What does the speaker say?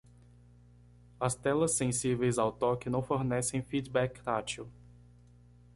As telas sensíveis ao toque não fornecem feedback tátil.